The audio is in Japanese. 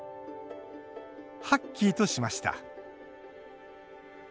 「ハッキー」としました。